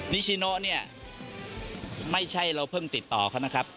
นิชิโนเนี่ยไม่ใช่เราเพิ่งติดต่อเขานะครับ